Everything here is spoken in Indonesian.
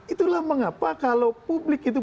itulah mengapa kalau publik itu